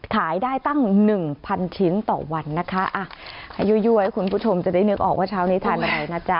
ขายได้ตั้งหนึ่งพันชิ้นต่อวันนะคะอ่ะอายุยั่วให้คุณผู้ชมจะได้นึกออกว่าเช้านี้ทานอะไรนะจ๊ะ